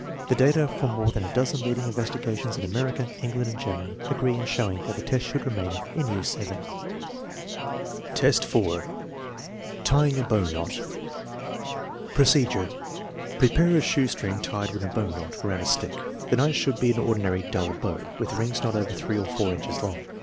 The data from more than a dozen leading investigations in America, England, and Germany agree in showing that the test should remain in year VII. VII, 4. Tying a bow knot Procedure. Prepare a shoestring tied in a bow knot around a stick. The knot should be an ordinary " double bow," with wings not over three or four inches long.